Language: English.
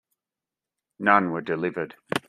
None were delivered.